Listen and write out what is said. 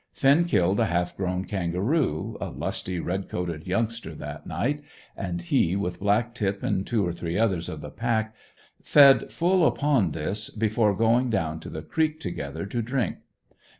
Finn killed a half grown kangaroo, a lusty red coated youngster, that night, and he, with Black tip and two or three others of the pack, fed full upon this before going down to the creek together to drink.